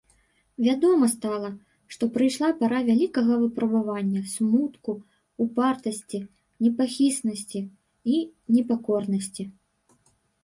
Вядома стала, што прыйшла пара вялікага выпрабавання, смутку, упартасці, непахіснасці і непакорнасці.